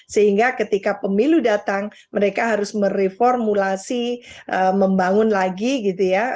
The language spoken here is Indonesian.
sehingga ketika pemilu datang mereka harus mereformulasi membangun lagi gitu ya